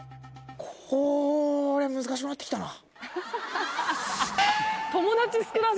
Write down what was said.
こりゃ難しくなってきたな。